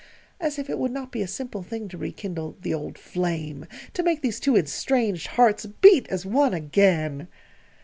As if it would not be a simple thing to rekindle the old flame to make these two estranged hearts beat as one again!